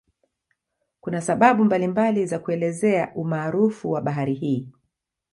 Kuna sababu mbalimbali za kuelezea umaarufu wa bahari hii.